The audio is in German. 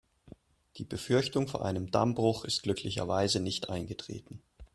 Die Befürchtung vor einem Dammbruch ist glücklicherweise nicht eingetreten.